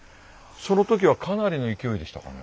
その時はかなりの勢いでしたかね。